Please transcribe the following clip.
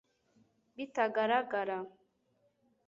bitagaragara